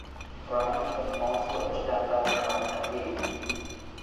Branch was also a standout track athlete.